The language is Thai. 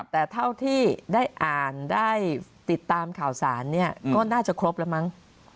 แต่เท่าที่ได้อ่านได้ติดตามข่าวสารเนี่ยก็น่าจะครบแล้วมั้ง